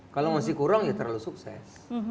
kalau masih kurang ya terlalu sukses